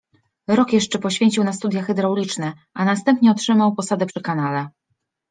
Rok jeszcze poświęcił na studia hydrauliczne, a następnie otrzymał posadę przy kanale.